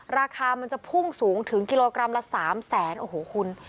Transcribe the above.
ราคามันจะพุ่งสูงถึงกิโลกรัมละ๓แสนโอ้โหคุณ